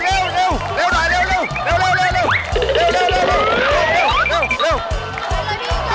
เด็กโหก